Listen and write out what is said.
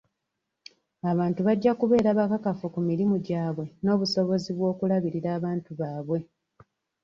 Abantu bajja kubeera bakakafu ku mirimu gyabwe n'obusobozi bw'okulabirira abantu baabwe.